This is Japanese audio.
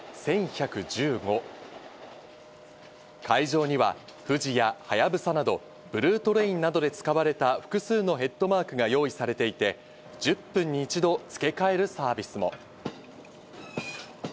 会場には富士やはやぶさなど、ブルートレインなどで使われた複数のヘッドマークが用意されていて、１０分に１度付け替えるサービスも。